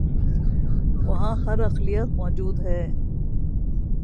وہاں ہر اقلیت مو جود ہے۔